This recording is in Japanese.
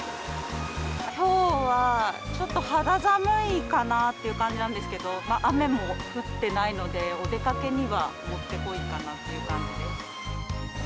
きょうはちょっと肌寒いかなっていう感じなんですけど、雨も降ってないので、お出かけにはもってこいかなっていう感じです。